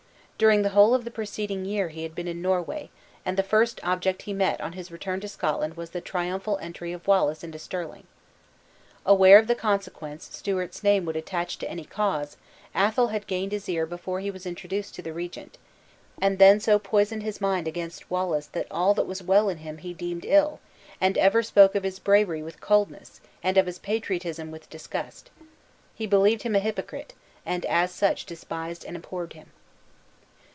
During the whole of the preceding year he had been in Norway, and the first object he met on his return to Scotland was the triumphal entry of Wallace into Stirling. Aware of the consequence Stewart's name would attach to any cause, Athol had gained his ear before he was introduced to the regent; and then so poisoned his mind against Wallace that all that was well in him he deemed ill, and ever spoke of his bravery with coldness, and of his patriotism with disgust. He believed him a hypocrite, and as such despised and abhorred him.